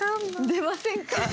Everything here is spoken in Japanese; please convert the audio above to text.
出ませんか？